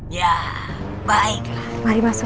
ya baiklah mari masuk